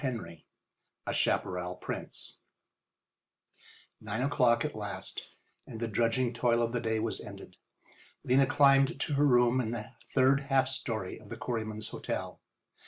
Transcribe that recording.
XVIII A CHAPARRAL PRINCE Nine o'clock at last, and the drudging toil of the day was ended. Lena climbed to her room in the third half story of the Quarrymen's Hotel.